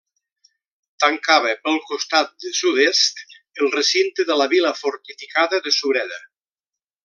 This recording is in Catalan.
Tancava pel costat de sud-est el recinte de la Vila fortificada de Sureda.